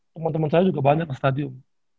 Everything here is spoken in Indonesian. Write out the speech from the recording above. temen temen saya juga banyak ke stadium